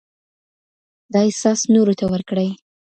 دا احساس نورو ته ورکړئ.